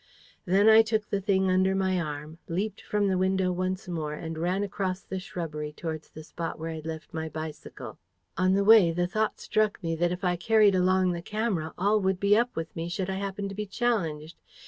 Then I took the thing under my arm, leaped from the window once more, and ran across the shrubbery towards the spot where I'd left my bicycle. "On the way, the thought struck me that if I carried along the camera, all would be up with me should I happen to be challenged.